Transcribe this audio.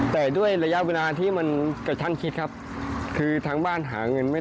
แต่ด้วยระยะเวลาที่มันกับท่านคิดครับคือทางบ้านหาเงินไม่